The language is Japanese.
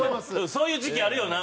そういう時期あるよな。